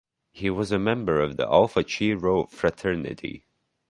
He was a member of the Alpha Chi Rho fraternity.